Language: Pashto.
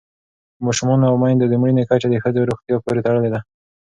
د ماشومانو او میندو د مړینې کچه د ښځو روغتیا پورې تړلې ده.